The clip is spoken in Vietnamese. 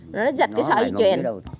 rồi nó giật cái sợi dây chuyền